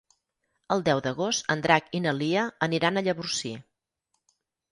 El deu d'agost en Drac i na Lia aniran a Llavorsí.